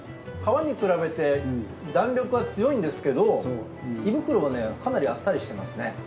皮に比べて弾力は強いんですけど胃袋はねかなりあっさりしてますね。